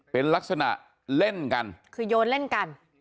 เป็นลักษณะเล่นกันคือโยนเล่นกัน